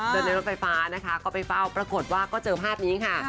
ในรถไฟฟ้านะคะก็ไปเฝ้าปรากฏว่าก็เจอภาพนี้ค่ะ